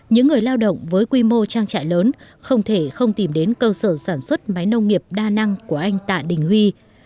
những người lao động với quy mô trang trại lớn không thể không tìm đến cơ sở sản xuất máy nông nghiệp đa năng của anh tạ đình huy